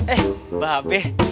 eh mbah be